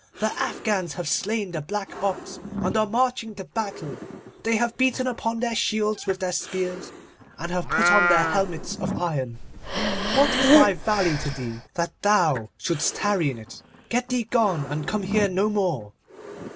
The Afghans have slain the black ox, and are marching to battle. They have beaten upon their shields with their spears, and have put on their helmets of iron. What is my valley to thee, that thou shouldst tarry in it? Get thee gone, and come here no more.